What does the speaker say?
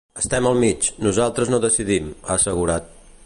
Estem al mig, nosaltres no decidim, ha assegurat.